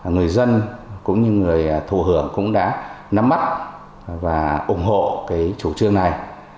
người dân cũng như người thù hưởng cũng đã nắm mắt và ủng hộ cái chủ trương này